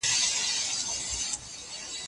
پخلنځی په انګړ کي نه وي.